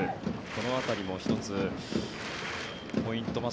この辺りも１つ、ポイントが。